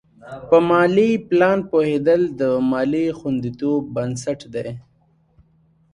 په مالي پلان پوهېدل د مالي خوندیتوب بنسټ دی.